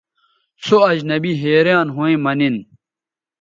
سو اجنبی حیریان َھویں مہ نِن